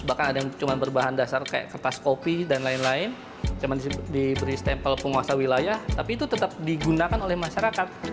bahkan ada yang cuma berbahan dasar kayak kertas kopi dan lain lain cuma diberi stempel penguasa wilayah tapi itu tetap digunakan oleh masyarakat